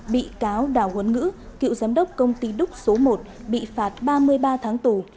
bị cáo đào huấn ngữ cựu giám đốc công ty đúc số một bị phạt ba mươi ba tháng tù